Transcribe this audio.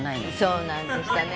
「そうなんでしたね」